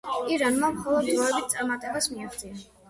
ირანმა მხოლოდ დროებით წარმატებას მიაღწია.